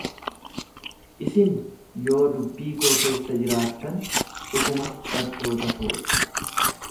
Isin yoo dubbii koo keessa jiraattan dhuguma bartoota koo ti.